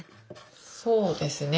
そうですね。